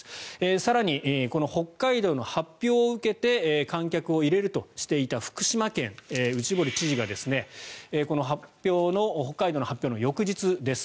更に、北海道の発表を受けて観客を入れるとしていた福島県の内堀知事がこの北海道の発表の翌日です。